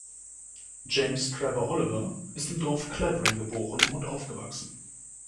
James Trevor Oliver ist im Dorf Clavering geboren und aufgewachsen.